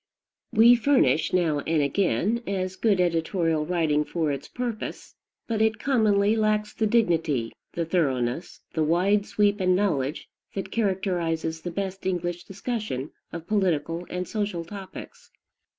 We furnish, now and again, as good editorial writing for its purpose; but it commonly lacks the dignity, the thoroughness, the wide sweep and knowledge, that characterizes the best English discussion of political and social topics.